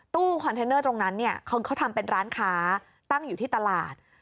ตู้คอนเทนเนอร์ตรงนั้นเนี่ยเขาทำเป็นร้านค้าตั้งอยู่ที่ตลาด